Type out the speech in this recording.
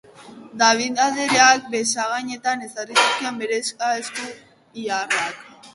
Madvig andreak besagainetan ezarri zizkion bere esku iharrak.